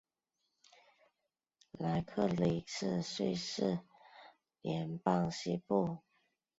莱克雷是瑞士联邦西部法语区的沃州下设的一个镇。